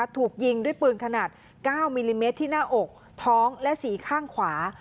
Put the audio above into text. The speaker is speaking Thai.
ถูกยิงด้วยปืนขนาด๙มิลลิเมตรที่หน้าอกท้องและสีข้างขวา